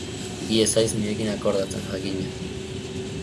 Hi ez haiz nirekin akordatzen, jakina...